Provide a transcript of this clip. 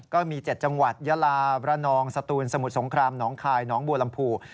ก็มี๗จังหวัดยาลาระนองสตูนสมุทรสงครามหนองคายหนองบัวลำพู